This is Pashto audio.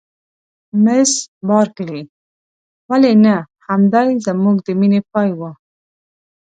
مس بارکلي: ولې نه؟ همدای زموږ د مینې پای و.